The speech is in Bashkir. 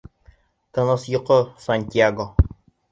— Тыныс йоҡо, Сантьяго.